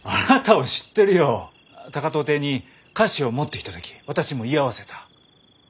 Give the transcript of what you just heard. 高藤邸に菓子を持ってきた時私も居合わせた。